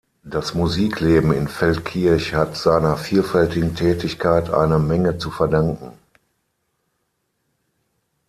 Das Musikleben in Feldkirch hat seiner vielfältigen Tätigkeit eine Menge zu verdanken.